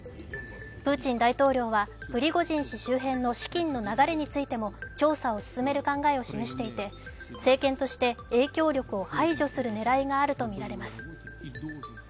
プーチン大統領はプリゴジン氏周辺の資金の流れについても、調査を進める考えを示していて、政権として影響力を排除する狙いがあるとみられます。